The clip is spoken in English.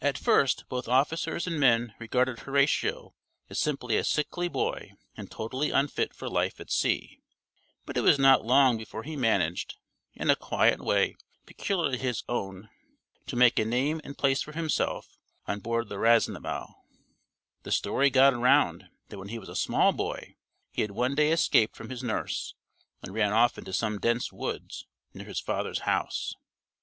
At first both officers and men regarded Horatio as simply a sickly boy and totally unfit for life at sea, but it was not long before he managed, in a quiet way peculiarly his own, to make a name and place for himself on board the Raisonnable. The story got around that when he was a small boy he had one day escaped from his nurse and run off into some dense woods near his father's house.